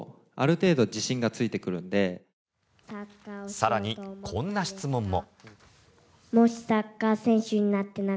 更に、こんな質問も。